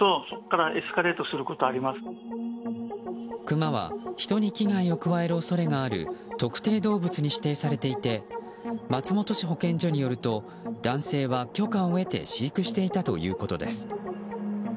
クマは人に危害を加える恐れがある特定動物に指定されていて本市保健所によると男性は許可を得て飼育していたということです。